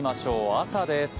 朝です。